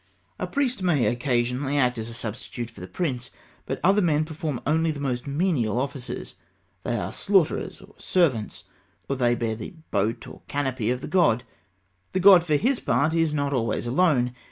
A priest may occasionally act as substitute for the prince, but other men perform only the most menial offices. They are slaughterers or servants, or they bear the boat or canopy of the god. The god, for his part, is not always alone.